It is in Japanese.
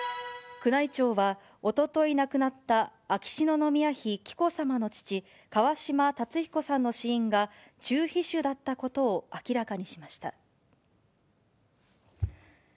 宮内庁は、おととい亡くなった秋篠宮妃紀子さまの父、川嶋辰彦さんの死因が、中皮腫だったことを明らかにしました。